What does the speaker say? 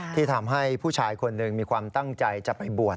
ที่ทำให้ผู้ชายคนหนึ่งมีความตั้งใจจะไปบวช